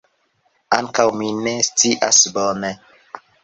Ankaŭ mi ne scias bone.